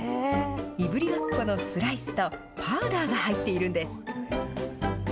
いぶりがっこのスライスとパウダーが入っているんです。